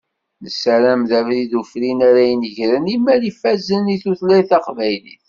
Nessaram d abrid ufrin ara ineǧren imal ifazen i tutlayt taqbaylit.